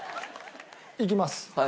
いきます！